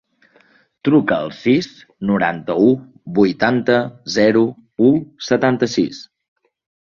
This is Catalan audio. Truca al sis, noranta-u, vuitanta, zero, u, setanta-sis.